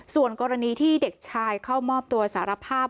ส่วนกรณีที่เด็กชายเข้ามอบตัวสารภาพ